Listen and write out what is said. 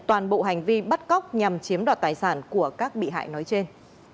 toàn bộ hành vi bắt cóc nhằm chiếm đoạt tài sản của các bị hại nói trên